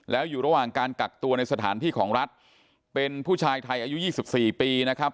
แล้วอยู่ระหว่างการกักตัวในสถานที่ของรัฐเป็นผู้ชายไทยอายุ๒๔ปีนะครับ